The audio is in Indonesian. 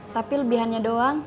tapi lebihannya doang